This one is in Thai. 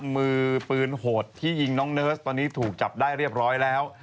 มือปืนโหดที่ยิงน้องเนิร์สตอนนี้ถูกจับได้เรียบร้อยแล้ว